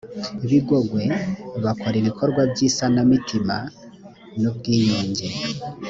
bigogwe bakora ibikorwa by’isanamitima n’ubwiyunge